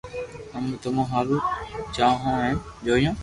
امي تمو ھارون جآوو ھون ھين جيويو